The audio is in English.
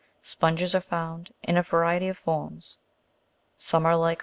91). Sponges are found in a variety of forms ; some are like Fig.